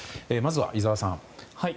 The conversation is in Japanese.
まずは、井澤さん。